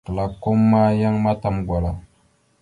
Klakom ma yan matam gwala.